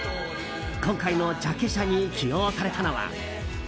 今回のジャケ写に起用されたのは。